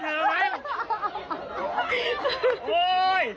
หาบ้าหู